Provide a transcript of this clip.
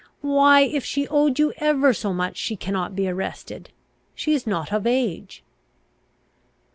Why, if she owed you ever so much, she cannot be arrested. She is not of age."